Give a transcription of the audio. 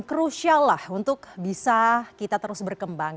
khususnya untuk bisa kita terus berkembang